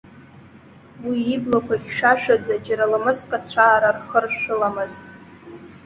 Уи иблақәа хьшәашәаӡа, џьара ламыск ацәаара рхыршәыламызт.